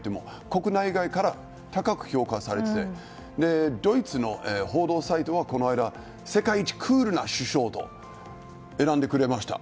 国内外から高く評価されていてドイツの報道サイトはこの間世界一クールな首相と選んでくれました。